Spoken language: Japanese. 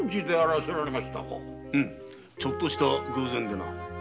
うむちょっとした偶然でな。